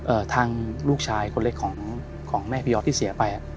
ทางลูกชายคนเล็กของของแม่พยอดที่เสียไปอ่ะ